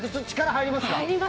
入りますね。